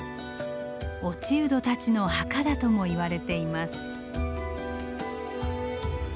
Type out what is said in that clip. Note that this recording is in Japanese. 落人たちの墓だともいわれています。